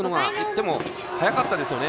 でも早かったですよね。